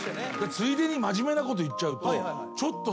ついでに真面目なこと言っちゃうとちょっと。